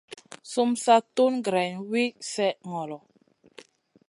Sum sa tun greyna wi slèh ŋolo.